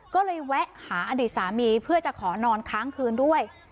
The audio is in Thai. ก็เลยแวะหาอดีตสามีเพื่อจะขอนอนค้างคืนด้วย